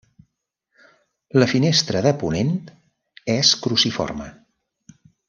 La finestra de ponent és cruciforme.